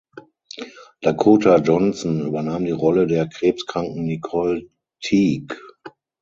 Dakota Johnson übernahm die Rolle der krebskranken Nicole Teague.